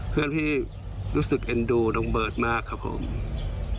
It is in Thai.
เพื่อเผื่อน้องเบิร์ตเบิร์ต